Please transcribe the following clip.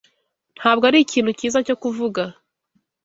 Ntabwo arikintu cyiza cyo kuvuga.